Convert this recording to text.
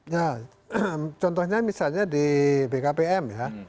ya contohnya misalnya di bkpm ya